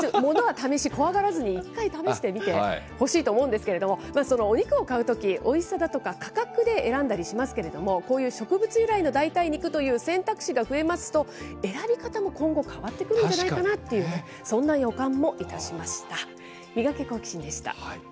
物は試し、怖がらずに一回試してみてほしいと思うんですけれども、お肉を買うとき、おいしさだとか価格で選んだりしますけれども、こういう植物由来の代替肉という選択肢が増えますと、選び方も今後、変わってくるんじゃないかなっていうね、そんな予感もいたしました。